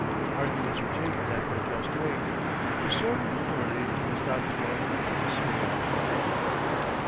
Arguments were taken at their just weight; the sword of authority was not thrown into the scale."